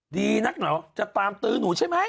ดีนักเหรอจะตามตื้อหนูใช่ไหม